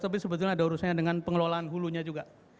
tapi sebetulnya ada urusannya dengan pengelolaan hulunya juga